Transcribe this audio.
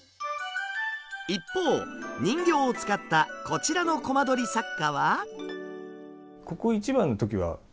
一方人形を使ったこちらのコマ撮り作家は。